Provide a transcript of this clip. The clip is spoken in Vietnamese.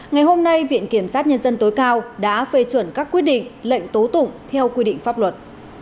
ngày hôm nay viện kiểm sát nhân dân tối cao đã phê chuẩn các quyết định lệnh tố tụng theo quy định pháp luật